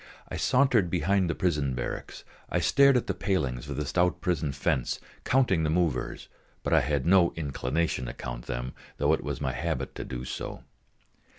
I sauntered behind the prison barracks. I stared at the palings of the stout prison fence, counting the movers; but I had no inclination to count them, though it was my habit to do so.